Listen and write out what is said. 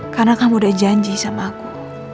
karena kamu udah janji sama aku